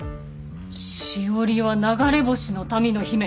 しおりは流れ星の民の姫。